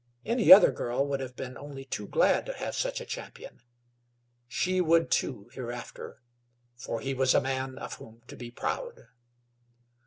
Any other girl would have been only too glad to have such a champion; she would, too, hereafter, for he was a man of whom to be proud.